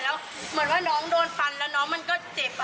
แล้วเหมือนว่าน้องโดนฟันแล้วน้องมันก็เจ็บ